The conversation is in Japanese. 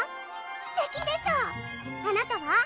すてきでしょあなたは？